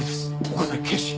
岡崎警視。